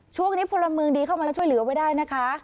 ช่วงนี้ผัวละเมืองดีเข้ามาแล้วช่วยเหลือไว้ได้นะคะ